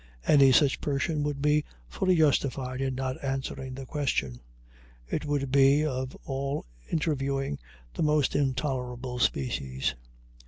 Any such person would be fully justified in not answering the question. It would be, of all interviewing, the most intolerable species.